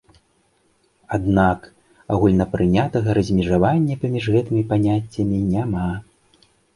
Аднак, агульнапрынятага размежавання паміж гэтымі паняццямі няма.